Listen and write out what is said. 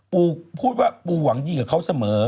ปูพูดว่าปูหวังดีกับเขาเสมอ